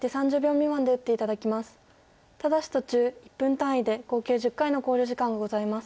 ただし途中１分単位で合計１０回の考慮時間がございます。